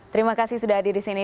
terima kasih sudah hadir disini